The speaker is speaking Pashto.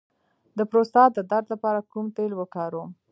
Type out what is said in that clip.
د پروستات د درد لپاره کوم تېل وکاروم؟